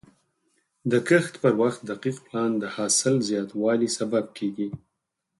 د کښت پر وخت دقیق پلان د حاصل زیاتوالي سبب کېږي.